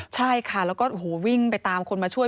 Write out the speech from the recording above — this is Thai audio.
ใช่ค่ะแล้วก็โอ้โหวิ่งไปตามคนมาช่วย